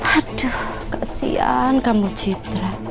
aduh kasihan kamu citra